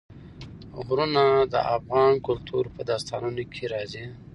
غرونه د افغان کلتور په داستانونو کې راځي.